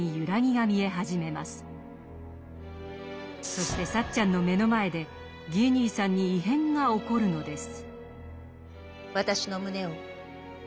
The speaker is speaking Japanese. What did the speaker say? そしてサッチャンの目の前でギー兄さんに異変が起こるのです。